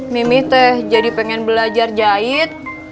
mimi teh jadi pengen belajar jahit